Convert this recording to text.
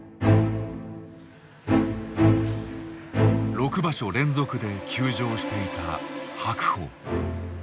６場所連続で休場していた白鵬。